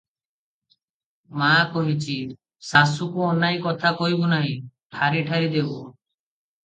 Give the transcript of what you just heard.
ମା କହିଛି, ଶାଶୁକୁ ଅନାଇ କଥା କହିବୁ ନାହିଁ, ଠାରି ଠାରି ଦେବୁ ।